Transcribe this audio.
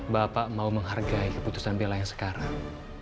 bapak mau menghargai keputusan bela yang sekarang